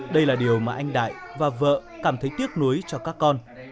đây là điều mà anh đại và vợ cảm thấy tiếc nuối cho các con